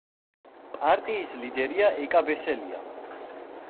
პარტიის ლიდერია ეკა ბესელია.